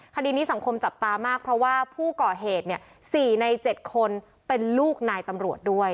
คดีนี้สังคมจับตามากเพราะว่าผู้ก่อเหตุ๔ใน๗คนเป็นลูกนายตำรวจด้วย